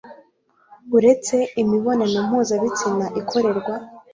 uretse imibonano mpuzabitsina ikorerwa